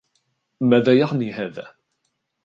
ماذا يعني هذا ؟